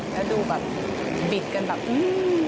แล้วดูแบบบิดกันแบบอื้อ